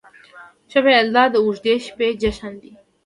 شب یلدا د اوږدې شپې جشن دی.